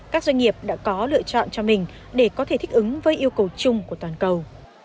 các doanh nghiệp đã có lựa chọn cho mình để có thể thích ứng với yêu cầu chung của toàn cầu